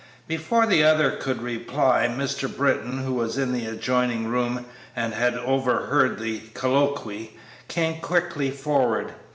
Before the other could reply Mr. Britton, who was in an adjoining room and had overheard the colloquy, came quickly forward.